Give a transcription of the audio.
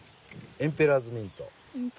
エンペラーズミント。